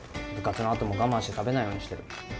部活のあとも我慢して食べないようにしてる。